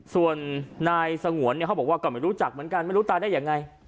ส่วนนายสงวนเนี่ยเขาบอกว่าก็ไม่รู้จักเหมือนกันไม่รู้ตายได้ยังไง